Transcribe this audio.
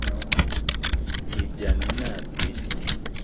Ibyani ine abe.